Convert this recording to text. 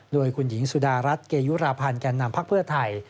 โดยคุณหญิงสุดารัฐเกยุราพันธ์แก่นำพักเพื่อไทย